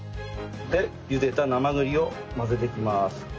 茹でた生栗を混ぜていきます。